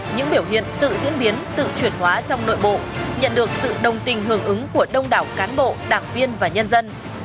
những biểu hiện tự diễn biến tự chuyển hóa trong nội bộ nhận được sự đồng tình hưởng ứng của đông đảo cán bộ đảng viên và nhân dân